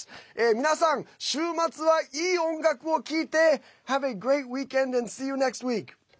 皆さん、週末はいい音楽を聴いてＨａｖｅａｇｒｅａｔｗｅｅｋｅｎｄａｎｄｓｅｅｙｏｕｎｅｘｔｗｅｅｋ！